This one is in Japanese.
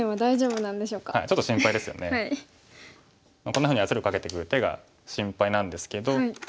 こんなふうに圧力かけてくる手が心配なんですけど。